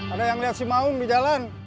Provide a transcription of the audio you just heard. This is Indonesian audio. ada yang lihat si maung di jalan